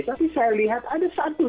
tapi saya lihat ada satu